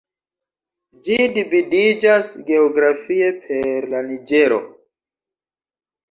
Ĝi dividiĝas geografie per la Niĝero.